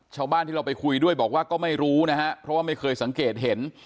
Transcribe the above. ชาวบ้านที่เราไปคุยด้วยบอกว่าก็ไม่รู้นะฮะเพราะว่าไม่เคยสังเกตเห็น